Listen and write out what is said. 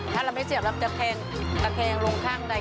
ถ้าเราไม่เสียบเราก็จะเครงลงข้างใด